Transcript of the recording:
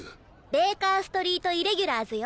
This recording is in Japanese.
ベーカーストリート・イレギュラーズよ。